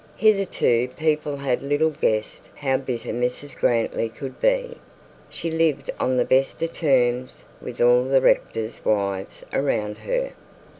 Hitherto people had little guessed how bitter Mrs Grantly could be. She lived on the best of terms with all the rectors' wives around her.